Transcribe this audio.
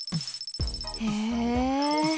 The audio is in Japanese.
へえ。